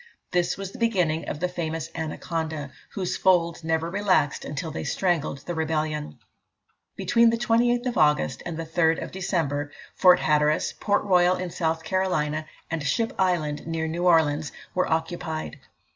This was the beginning of the famous Anaconda, whose folds never relaxed until they strangled the rebellion. Between the 28th August and the 3rd of December, Fort Hatteras, Port Royal in South Carolina, and Ship Island, near New Orleans, were occupied.